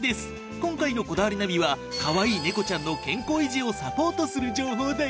今回の『こだわりナビ』はかわいい猫ちゃんの健康維持をサポートする情報だよ。